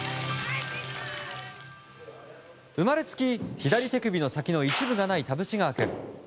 生まれつき、左手首の先の一部がない田渕川君。